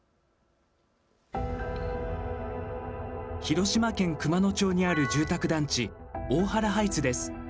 広島県熊野町にある住宅団地大原ハイツです。